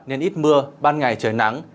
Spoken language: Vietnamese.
nên ít mưa ban ngày trời nắng